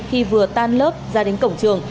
khi vừa tan lớp ra đến cổng trường